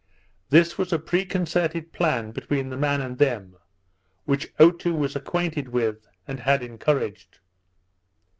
This was a pre concerted plan between the man and them, which Otoo was acquainted with, and had encouraged.